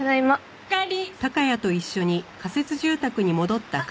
おかえり。